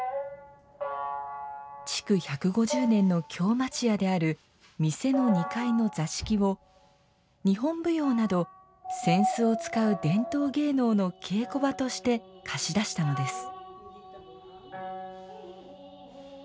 築１５０年の京町家である店の二階の座敷を、日本舞踊など扇子を使う伝統芸能の稽古場として貸し出したのです。